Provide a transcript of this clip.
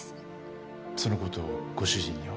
そのことご主人には？